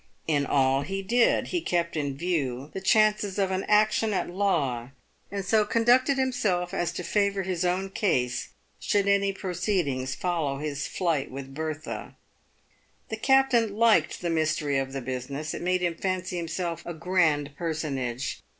In all he did, he kept in view the chances of an action at law, and so con ducted himself as to favour his own case, should any proceedings follow his flight with Bertha. The captain liked the mystery of the business. It made him fancy himself a grand personage.